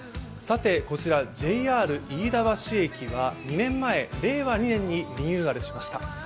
さて、こちらＪＲ飯田橋駅は２年前、令和２年にリニューアルしました。